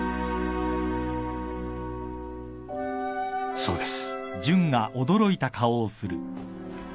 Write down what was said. そうです。